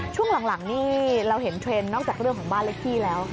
ช่วงหลังนี่เราเห็นเทรนด์นอกจากเรื่องของบ้านเลขที่แล้ว